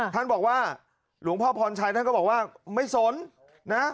ท่านบอกว่าหลวงพ่อพรชัยท่านก็บอกว่าไม่สนนะ